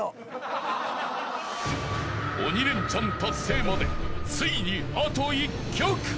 ［鬼レンチャン達成までついにあと１曲］